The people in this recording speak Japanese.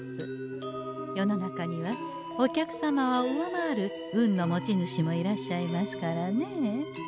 世の中にはお客様を上回る運の持ち主もいらっしゃいますからねえ。